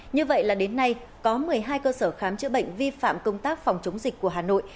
như vậy là đến nay có một mươi hai cơ sở khám chữa bệnh vi phạm công tác phòng chống dịch của hà nội